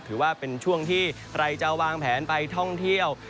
ถือว่าเป็นช่วงที่ใครจะวางแผนไปท่องเที่ยว